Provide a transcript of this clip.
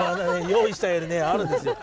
用意したようにねあるんですよ。